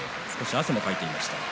汗もかいていました。